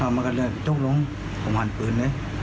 มันก็เริ่มกับโจ๊กลงผมหั่นปืนเลย